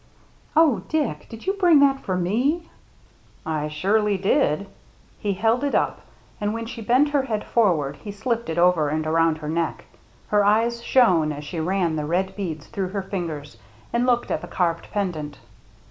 " Oh, Dick, did you bring that for me ?"" I surely did." He held it up, and when she bent her head forward, he slipped it over and around her neck. Her eyes shone as she ran the red beads through her fingers and looked at the carved pendant.